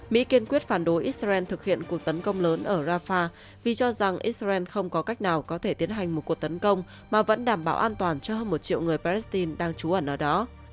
mỹ kiên quyết phản đối israel thực hiện cuộc tấn công lớn ở rafah vì cho rằng israel không có cách nào có thể tiến hành một cuộc tấn công mà vẫn đảm bảo an toàn cho hơn một triệu người palestine đang trú ẩn ở đó